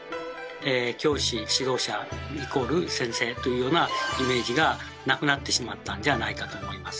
「教師指導者」＝「先生」というようなイメージがなくなってしまったんじゃないかと思います。